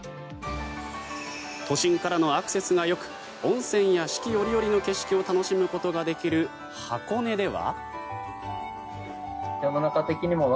都心からのアクセスがよく温泉や四季折々の景色を楽しむことができる箱根では。